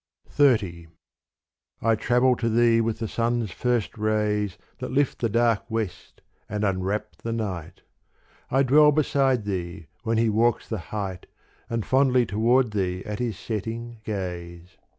XXX I TRAVEL to thee with the sun's first rays That lift the dark west and unwrap the night : I dwell beside thee when he walks the height And fondly toward thee at his setting gaze.